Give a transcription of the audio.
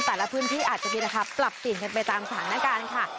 แต่ละพื้นที่อาจจะมีราคาปรับเปลี่ยนกันไปตามสถานการณ์ค่ะ